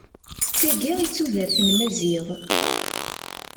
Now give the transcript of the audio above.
D tayi i tudert n Maziɣ.